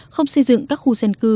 không xây dựng các khu dân cư